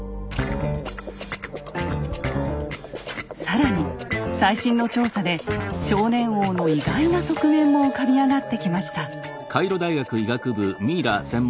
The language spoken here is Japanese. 更に最新の調査で少年王の意外な側面も浮かび上がってきました。